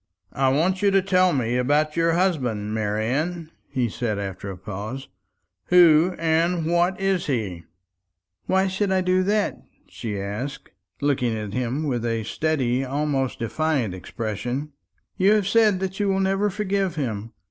"I want you to tell me about your husband, Marian," he said after a pause; "who and what he is." "Why should I do that?" she asked, looking at him with a steady, almost defiant, expression. "You have said that you will never forgive him.